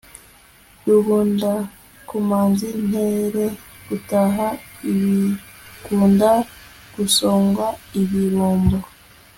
rubundakumazi, intere, gutaha ibigunda, gusongwa, ibirumbo